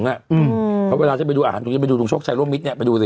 เพราะเวลาฉันไปดูอาหารตรงนี้ไปดูตรงโชคชัยร่วมมิตรเนี่ยไปดูสิ